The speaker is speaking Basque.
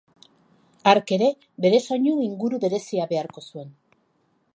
Hark ere bere soinu-inguru berezia beharko zuen.